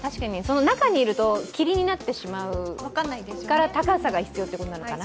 中にいると霧になってしまうから、高さが必要ということなのかな。